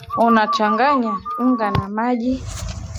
Unachanganya unga na maji.